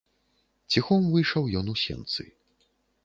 Ціхом выйшаў ён у сенцы.